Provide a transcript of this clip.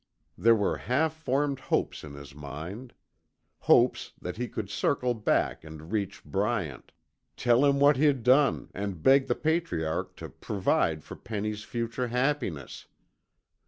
There were half formed hopes in his mind. Hopes that he could circle back and reach Bryant. Tell him what he'd done and beg the patriarch to provide for Penny's future happiness.